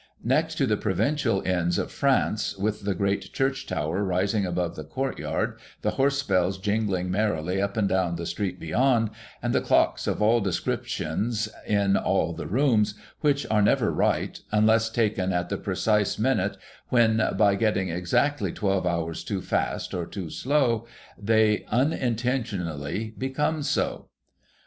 Next to the provincial Inns of France, with the great church tower rising above the courtyard, the horse bells jingling merrily up and down the street beyond, and the clocks of all descriptions in all the rooms, which are never right, unless taken at the precise minute when, by getting exactly twelve hours too fast or two slow, they unintentionally become so.